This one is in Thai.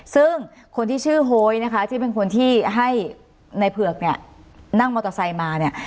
ซึ่งคนที่ชื่อโฮยนะคะที่เป็นคนที่ให้ในเผือกเนี่ยนั่งมอเตอร์ไซค์มาเนี่ย